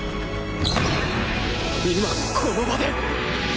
今この場で！